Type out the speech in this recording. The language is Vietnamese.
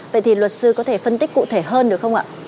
vậy thì luật sư có thể phân tích cụ thể hơn được không ạ